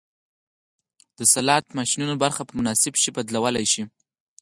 د سلاټ ماشینونو برخه په مناسب شي بدلولی شو